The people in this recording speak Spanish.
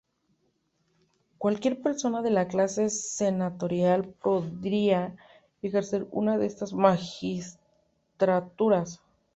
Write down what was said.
Cualquier persona de la clase senatorial podría ejercer una de estas magistraturas.